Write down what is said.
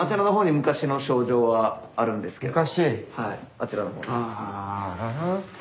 あちらの方です。